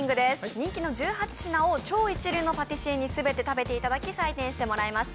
人気の１８品を超一流パティシエに全て食べていただき採点していただきました。